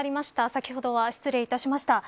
先ほどは失礼いたしました。